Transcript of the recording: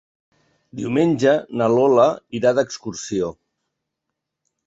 Diumenge na Lola irà d'excursió.